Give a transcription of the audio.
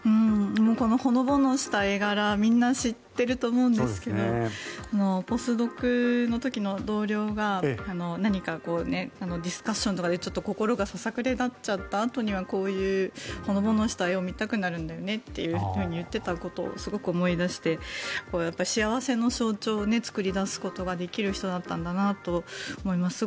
このほのぼのした絵柄みんな知っていると思うんですがポスドクの時の同僚が何かディスカッションとかでちょっと心がささくれ立っちゃったあとにはこういうほのぼのした絵を見たくなるんだよねと言っていたことをすごく思い出してやっぱり幸せの象徴を作り出すことができる人だったんだなと思います。